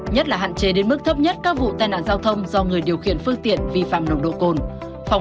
nhất là hạn chế đến mức thấp nhất các vụ tai nạn giao thông do người điều khiển phương tiện vi phạm nồng độ cồn